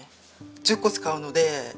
１０個使うので。